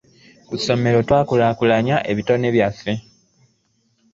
Ku ssomero twakulakulanya ebitone byaffe.